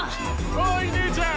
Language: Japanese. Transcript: おい姉ちゃん！